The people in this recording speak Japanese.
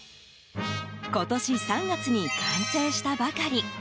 今年３月に完成したばかり。